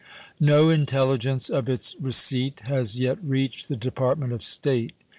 No intelligence of its receipt has yet reached the Department of State.